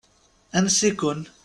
Ansi-ken?